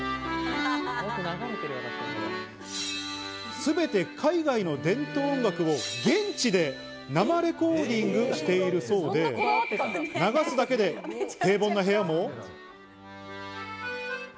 全て海外の伝統音楽を現地で生レコーディングしているそうで、流すだけで平凡な部屋も。